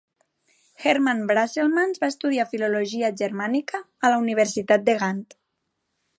Herman Brusselmans va estudiar Filologia Germànica a la Universitat de Gant.